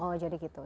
oh jadi gitu